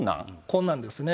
こんなんですね。